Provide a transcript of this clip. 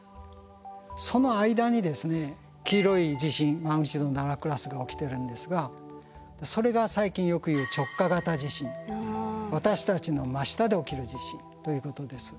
その間に黄色い地震マグニチュード７クラスが起きてるんですがそれが最近よく言う私たちの真下で起きる地震ということです。